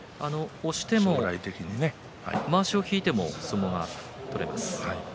押してもまわしを引いても相撲が取れます。